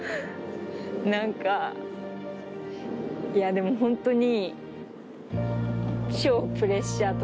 何かでもホントに。